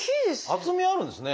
厚みあるんですね。